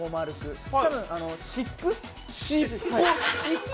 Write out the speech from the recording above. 多分湿布？